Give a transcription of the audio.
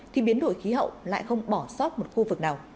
thì biến đổi khí hậu lại không bỏ sót một khu vực nào